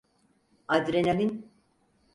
Adrenalin.